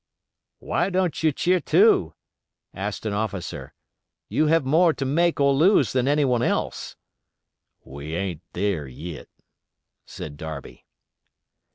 "Why don't you cheer too?" asked an officer. "You have more to make or lose than anyone else." "We ain't there yit," said Darby.